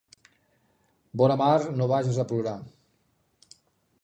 Vora mar no vages a plorar.